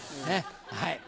はい。